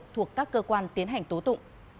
thuộc các cơ quan tiến hành tố tụng